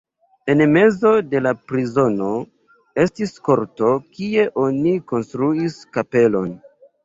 En mezo de la prizono estis korto, kie oni konstruis kapelon.